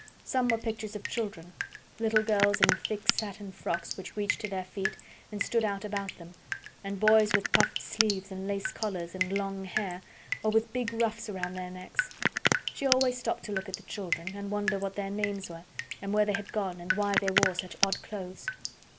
Some were pictures of children—little girls in thick satin frocks which reached to their feet and stood out about them, and boys with puffed sleeves and lace collars and long hair, or with big ruffs around their necks. She always stopped to look at the children, and wonder what their names were, and where they had gone, and why they wore such odd clothes.